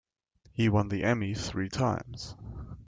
He won the Emmy three times.